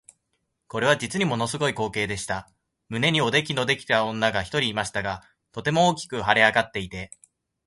これは実にもの凄い光景でした。胸におできのできた女が一人いましたが、とても大きく脹れ上っていて、